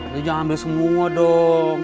lo jangan ambil semua dong